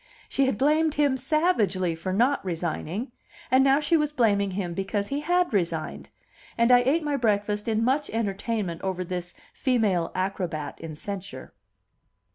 She had blamed him savagely for not resigning, and now she was blaming him because he had resigned; and I ate my breakfast in much entertainment over this female acrobat in censure.